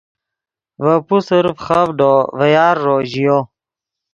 ڤے پوسر فیخڤڈو ڤے یارݱو ژیو